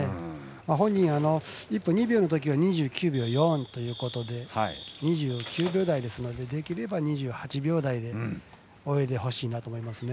本人、１分２秒のときは２９秒４ということで２９秒台なのでできれば２８秒台で泳いでほしいなと思いますね。